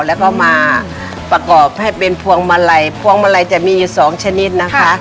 แล้วก็มาประกอบให้เป็นพวงมาลัยพวงมาลัยจะมีอยู่สองชนิดนะคะ